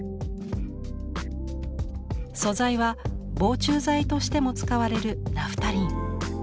素材は防虫剤としても使われるナフタリン。